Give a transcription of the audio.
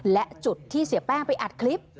และจุดที่เสียแป้งไปอัดคลิป